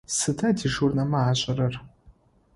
Сыда дежурнэмэ ашӏэрэр?